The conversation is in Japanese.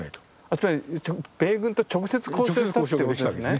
つまり米軍と直接交渉したってことですね。